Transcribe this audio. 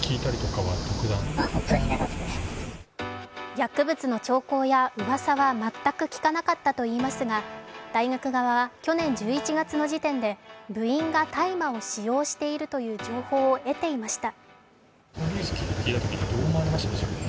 薬物の兆候やうわさは全く聞かなかったといいますが大学側は去年１１月の時点で部員が大麻を使用しているという情報を得ていました。